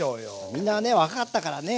みんなね若かったからね。